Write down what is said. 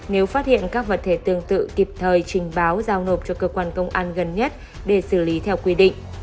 nếu phát hiện các vật thể tương tự kịp thời trình báo giao nộp cho cơ quan công an gần nhất để xử lý theo quy định